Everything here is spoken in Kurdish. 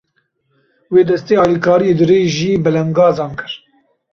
Wê, destê alîkariyê dirêjî belengazan kir.